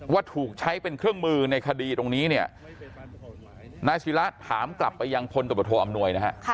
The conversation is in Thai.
ว่าถูกใช้เป็นเครื่องมือในคดีตรงนี้นะนายศิวระถามรายการพรตบัตรโทษอำนวยนะครับ